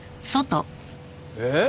えっ！？